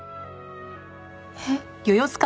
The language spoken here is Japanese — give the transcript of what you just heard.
えっ？